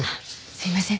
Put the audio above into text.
すいません